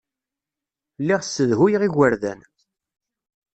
Lliɣ ssedhuyeɣ igerdan.